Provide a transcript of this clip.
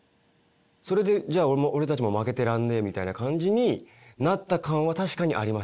それでじゃあ俺たちも負けてらんねえみたいな感じになった感は確かにありましたね。